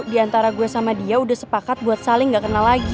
di antara gue sama dia udah sepakat buat saling gak kenal lagi